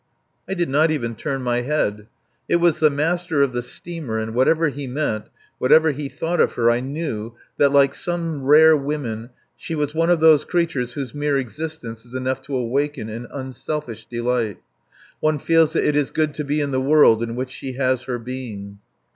I did not even turn my head. It was the master of the steamer, and whatever he meant, whatever he thought of her, I knew that, like some rare women, she was one of those creatures whose mere existence is enough to awaken an unselfish delight. One feels that it is good to be in the world in which she has her being.